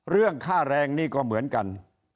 เรื่องค่าแรงนี่ก็เหมือนกัน